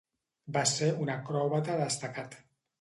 Va ser un acròbata destacat.